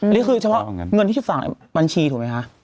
หรือคือเฉพาะเงินที่ฝากในบัญชีถูกไหมคะ